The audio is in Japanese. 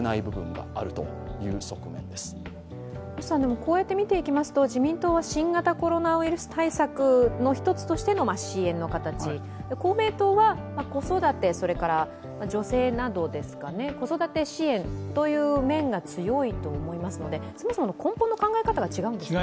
こうやって見ていきますと、自民党は新型コロナウイルス対策の一つとしての支援の形、公明党は子育て女性などですかね子育て支援という面が強いと思いますのでそもそもの根本の考え方が違うんですね。